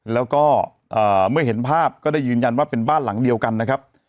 แล้วก็เมื่อเห็นภาพก็ได้ยืนยันว่าเป็นบ้านหลังเดียวกันนะครับ